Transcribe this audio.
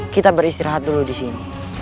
kita beristirahat dulu di sini